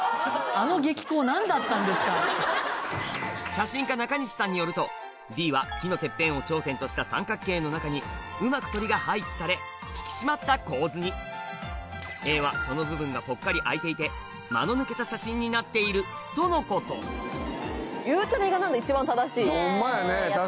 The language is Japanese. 写真家中西さんによるとＢは木のテッペンを頂点とした三角形の中にうまく鳥が配置され引き締まった構図にＡはその部分がぽっかり空いていて間の抜けた写真になっているとのことイェイやった。